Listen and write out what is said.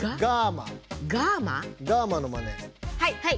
・はい！